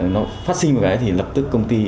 nó phát sinh một cái thì lập tức công ty